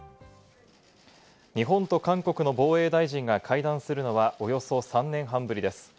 日本と韓国の防衛大臣が会談するのはおよそ３年半ぶりです。